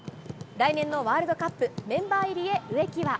来年のワールドカップ、メンバー入りへ植木は。